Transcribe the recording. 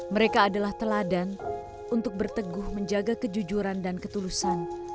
mereka adalah teladan untuk berteguh menjaga kejujuran dan ketulusan